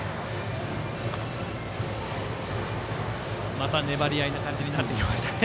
また粘り合いの感じになってきましたね。